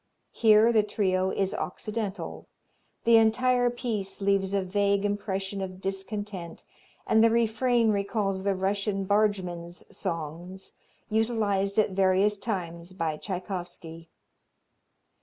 Here the trio is occidental. The entire piece leaves a vague impression of discontent, and the refrain recalls the Russian bargemen's songs utilized at various times by Tschaikowsky.